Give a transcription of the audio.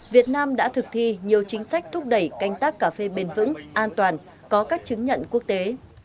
việt nam đã thực thi nhiều chính sách thúc đẩy canh tác cà phê bền vững an toàn có các chứng nhận quốc tế